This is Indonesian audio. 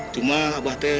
cuma abah teh